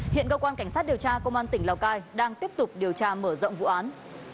hiện cơ quan cảnh sát điều tra công an tỉnh lào cai đang tiếp tục điều tra mở rộng vụ án